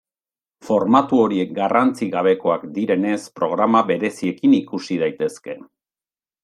Formatu horiek garrantzi gabekoak direnez, programa bereziekin ikusi daitezke.